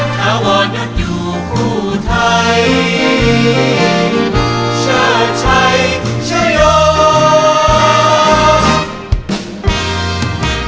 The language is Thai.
ถ้าว่านั้นอยู่คู่ไทยเชิญชัยเชิญยอม